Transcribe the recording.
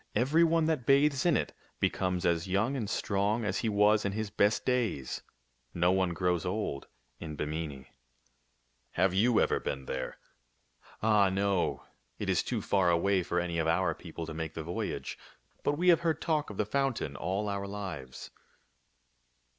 Every one that bathes in it becomes as young and strong as he was in his best days. No one grows old in Bimini." " Have you ever been there ?"" Ah, no. It is too far away for any of our peo ple to make the voyage. But we have heard talk of the fountain all our lives."